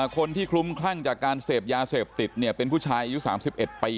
คนที่คลุมครั่งจากการเสพยาเสพติดเป็นผู้ชายอายุสามสิบเอ็ดปีนะฮะ